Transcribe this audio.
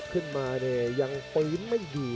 กันต่อแพทย์จินดอร์